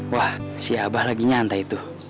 wah si abah lagi nyantai tuh